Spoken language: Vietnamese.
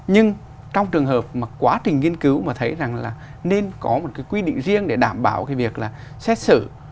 nhưng trong trường hợp mà quá trình nghiên cứu mà thấy rằng là nên có một cái quy định riêng để đảm bảo cái việc là xét xử